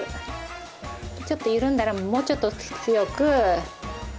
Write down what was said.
ちょっと緩んだらもうちょっと強く。